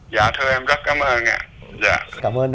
dạ thưa em rất cảm ơn ạ